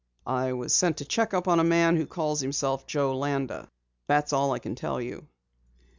"I was sent to check up on a man who calls himself Joe Landa. That's all I can tell you."